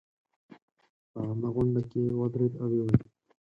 په عامه غونډه کې ودرېد او ویې ویل.